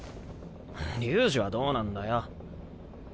龍二はどうなんだよ？